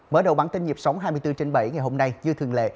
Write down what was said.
mở đầu bản tin nhịp sống hai mươi bốn trên bảy ngày hôm nay như thường lệ